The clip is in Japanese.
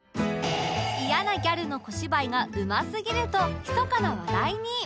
イヤなギャルの小芝居がうますぎるとひそかな話題に